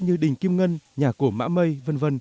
như đình kim ngân nhà cổ mã mây v v